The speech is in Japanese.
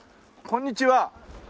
こんにちは。